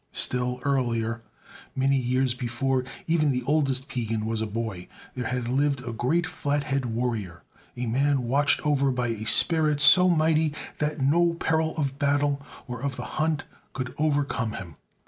Still earlier, many years before even the oldest Piegan was a boy, there had lived a great Flathead warrior, a man watched over by a spirit so mighty that no peril of battle or of the hunt could overcome him.